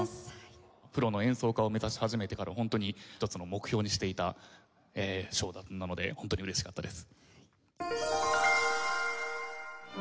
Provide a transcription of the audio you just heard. プロの演奏家を目指し始めてから本当に一つの目標にしていた賞なので本当に嬉しかったです。